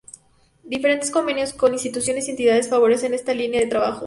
Diferentes convenios con Instituciones y Entidades favorecen esta línea de trabajo.